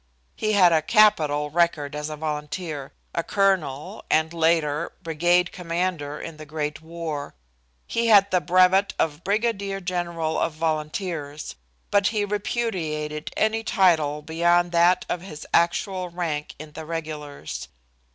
He had a capital record as a volunteer a colonel and, later, brigade commander in the great war. He had the brevet of brigadier general of volunteers, but repudiated any title beyond that of his actual rank in the regulars.